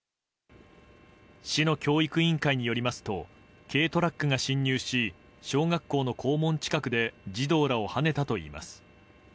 市の教育委員会によりますと軽トラックが侵入し小学校の校門近くで児童らをはねたといいます。